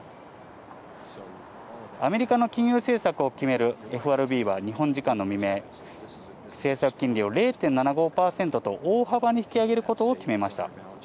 アメリカの金融政策を決めるＦＲＢは日本時間の未明、政策金利を０．７５％と大幅に引き上げることを決めました。